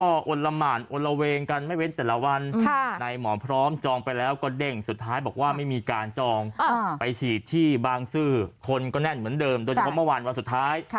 ก็อดละหมานอนละเวงกันไม่เว้นแต่ละวันในหมอพร้อมจองไปแล้วก็เด้งสุดท้ายบอกว่าไม่มีการจองไปฉีดที่บางซื่อคนก็แน่นเหมือนเดิมโดยเฉพาะเมื่อวานวันสุดท้าย